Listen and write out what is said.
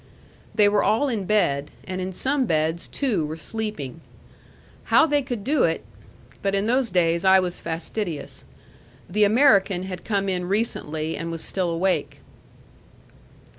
They were all in bed; and in some beds two were sleeping. How they could do it but in those days I was fastidious. The American had come in recently and was still awake.